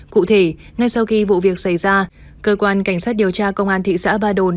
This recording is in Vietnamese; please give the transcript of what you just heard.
cụ thể ngay sau khi vụ việc xảy ra cơ quan cảnh sát điều tra công an thị xã ba đồn